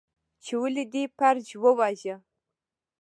، چې ولې دې فرج وواژه؟